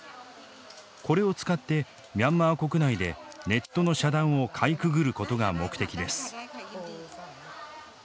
これを使ってミャンマー国内でネットの遮断をかいくぐることが目的です。